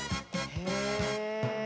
へえ。